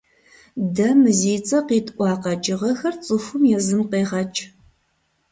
Дэ мы зи цӀэ къитӀуа къэкӀыгъэхэр цӀыхум езым къегъэкӀ.